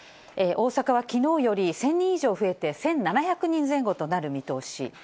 大阪はきのうより１０００人以上増えて、１７００人前後となる見通し。